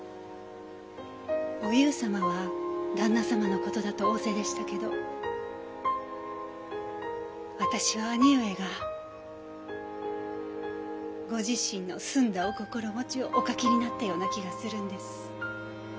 お遊様は旦那様のことだと仰せでしたけど私は兄上がご自身の澄んだお心持ちをお書きになったような気がするんです。